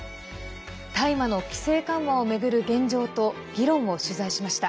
大麻の規制緩和を巡る現状と議論を取材しました。